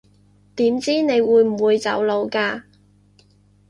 點知你會唔會走佬㗎